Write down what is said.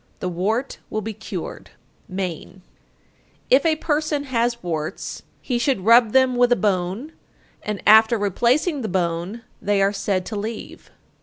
The wart will be cured. Maine. 888. If a person has warts, he should rub them with a bone, and after replacing the bone they are said to leave.